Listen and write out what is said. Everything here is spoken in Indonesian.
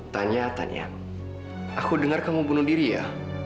tanya tanya aku dengar kamu bunuh diri ya